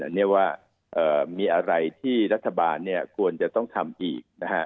อันนี้ว่ามีอะไรที่รัฐบาลควรจะต้องทำอีก